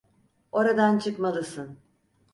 Oradan çıkmalısın.